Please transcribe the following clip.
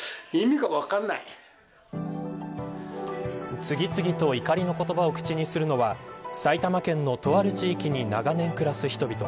次々と怒りの言葉を口にするのは埼玉県のとある地域に長年暮らす人々。